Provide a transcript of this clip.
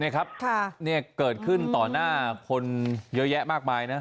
เนี้ยครับค่ะเนี้ยเกิดขึ้นต่อหน้าคนเยอะแยะมากมายนะ